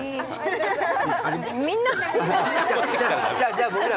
じゃあ僕ら。